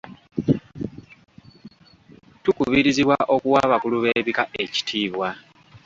Tukubirizibwa okuwa abakulu b'ebika ekitiibwa.